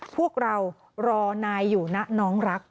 พวกเรารอนายอยู่นะน้องรัก